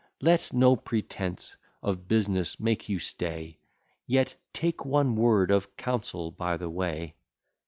Let no pretence of bus'ness make you stay; Yet take one word of counsel by the way.